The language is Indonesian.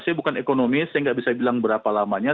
saya bukan ekonomis saya tidak bisa bilang berapa lamanya